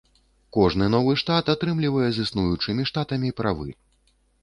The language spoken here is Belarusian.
Кожны новы штат атрымлівае з існуючымі штатамі правы.